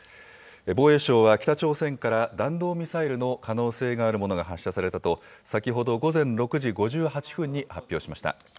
防衛省は北朝鮮から弾道ミサイルの可能性があるものが発射されたと、先ほど午前６時５８分に発表しました。